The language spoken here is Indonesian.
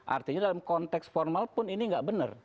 artinya dalam konteks formal pun ini nggak benar